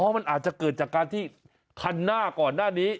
มันอาจจะเกิดจากการที่คันหน้าก่อนหน้านี้